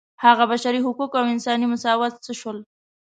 هغه بشري حقوق او انساني مساوات څه شول.